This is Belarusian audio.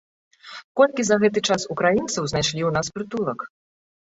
Колькі за гэты час украінцаў знайшлі ў нас прытулак?